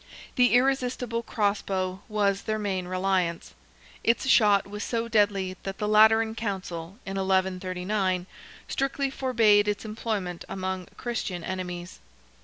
The irresistible cross bow was their main reliance. Its shot was so deadly that the Lateran Council, in 1139, strictly forbade its employment among Christian enemies.